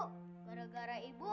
ida sebel sama ibu